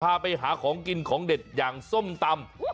พาไปหาของกินของเด็ดอย่างส้มตำ